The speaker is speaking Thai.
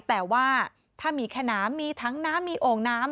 แต่ว่าถ้ามีแค่น้ำมีถังน้ำมีโองน้ำ